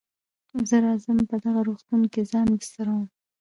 زه راځم په دغه روغتون کې ځان بستروم.